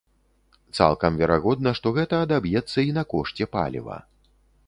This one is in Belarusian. Цалкам верагодна, што гэта адаб'ецца і на кошце паліва.